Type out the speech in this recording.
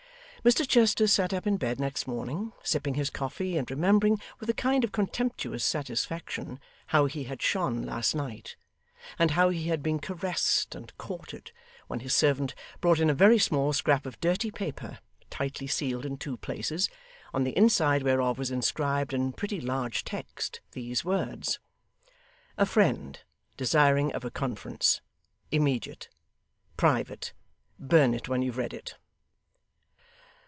Mr Chester sat up in bed next morning, sipping his coffee, and remembering with a kind of contemptuous satisfaction how he had shone last night, and how he had been caressed and courted, when his servant brought in a very small scrap of dirty paper, tightly sealed in two places, on the inside whereof was inscribed in pretty large text these words: 'A friend. Desiring of a conference. Immediate. Private. Burn it when you've read it.